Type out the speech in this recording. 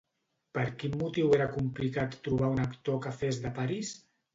Per quin motiu era complicat trobar un actor que fes de Paris?